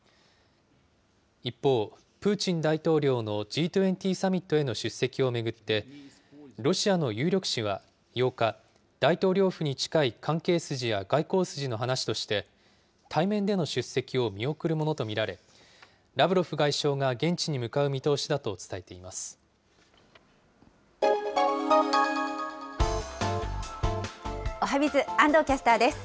一方、プーチン大統領のＧ２０サミットへの出席を巡って、ロシアの有力紙は８日、大統領府に近い関係筋や外交筋の話として、対面での出席を見送るものと見られ、ラブロフ外相が現地に向かう見通しだと伝えています。